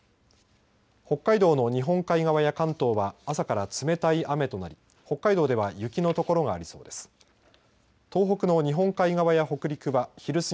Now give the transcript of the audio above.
北海道の日本海側や関東は朝から冷たい雨となり北海道では雪の所がありそうです。